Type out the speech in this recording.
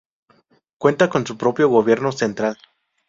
Cuenta con su propio gobierno central.